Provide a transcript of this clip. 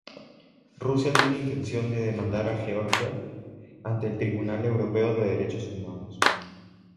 Rusia tiene intención de demandar a Georgia ante el Tribunal Europeo de Derechos Humanos.